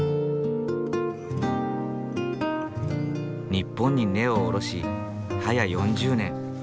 日本に根を下ろしはや４０年。